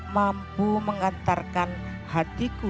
mampu mengantarkan hatiku